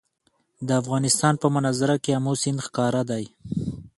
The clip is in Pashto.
د افغانستان په منظره کې آمو سیند ښکاره دی.